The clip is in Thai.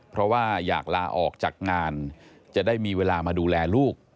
เพราะว่าอยากลาออกจากงานจะได้มีเวลามาดูแลลูก